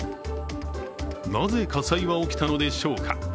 なぜ火災は起きたのでしょうか。